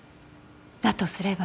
だとすれば。